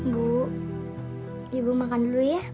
bu ibu makan dulu ya